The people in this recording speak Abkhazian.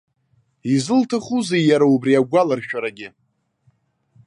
Изылҭахузеи иара убри агәаларшәарагьы?